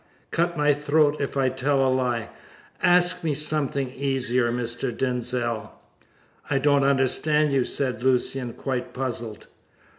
Cut my throat if I tell a lie. Ask me something easier, Mr. Denzil." "I don't understand you," said Lucian, quite puzzled.